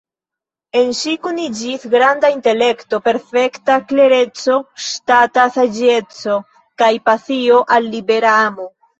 En ŝi kuniĝis granda intelekto, perfekta klereco, ŝtata saĝeco kaj pasio al "libera amo".